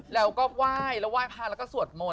แล้วก็ไหว้แล้วไหว้พระแล้วก็สวดมน